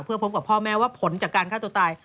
เพื่อพบกับพ่อแม่ว่าผลจากการฆ่าตัวตาย